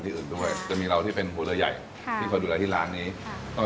พี่สิบเก้าเป็นพี่สาวคนโตหรือลูกของเขาเอง